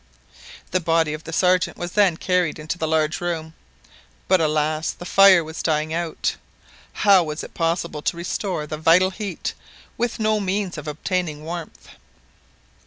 The body of the Sergeant was then carried into the large room. But, alas! the fire was dying out. How was it possible to restore the vital heat with no means of obtaining warmth?